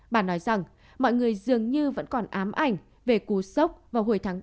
bà nói rằng mọi người dường như vẫn còn ám ảnh về cú sốc vào hồi tháng ba năm hai nghìn hai mươi